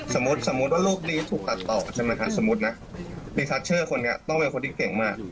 สมมุติว่าโลกนี้ถูกตัดต่อใช่ไหมคะสมมุตินะรีคัสเชอร์คนนี้ต้องเป็นคนที่เก่งมาก